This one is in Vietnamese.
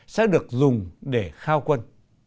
sẽ được dùng để khao quân